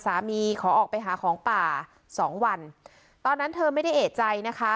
ขอออกไปหาของป่าสองวันตอนนั้นเธอไม่ได้เอกใจนะคะ